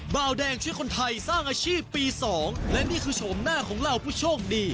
บาวแดงช่วยคนไทยสร้างอาชีพปี๒และนี่คือโฉมหน้าของเหล่าผู้โชคดี